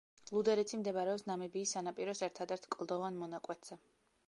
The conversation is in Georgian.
ლუდერიცი მდებარეობს ნამიბიის სანაპიროს ერთადერთ კლდოვან მონაკვეთზე.